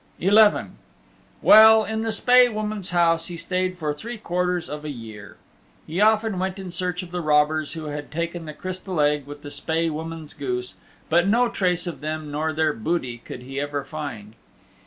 XI Well, in the Spae Woman's house he stayed for three quarters of a year. He often went in search of the robbers who had taken the Crystal Egg with the Spae Woman's goose, but no trace of them nor their booty could he ever find.